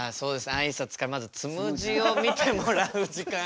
あいさつからまずつむじを見てもらう時間が。